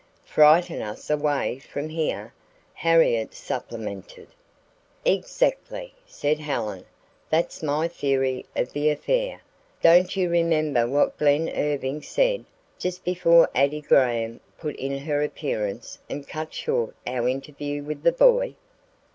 "Frighten us away from here," Harriet supplemented. "Exactly," said Helen. "That's my theory of the affair. Don't you remember what Glen Irving said just before Addie Graham put in her appearance and cut short our interview with the boy?"